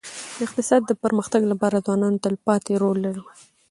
د اقتصاد د پرمختګ لپاره ځوانان تلپاتي رول لري.